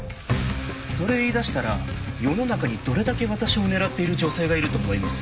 それ言い出したら世の中にどれだけ私を狙っている女性がいると思います？